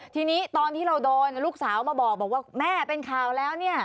ทีนี้ตอนที่เราโดนลูกสาวมาบอกว่าแม่เป็นข่าวแล้วเนี่ย